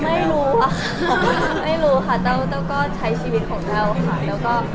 เออไม่ค่อยไม่รู้ค่ะเต้าก็ใช้ชีวิตของเต้าค่ะ